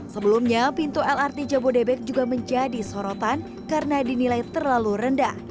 sebelumnya pintu lrt jabodebek juga menjadi sorotan karena dinilai terlalu rendah